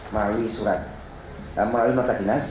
melalui surat melalui nota dinas